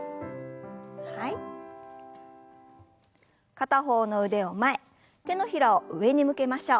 片方の腕を前手のひらを上に向けましょう。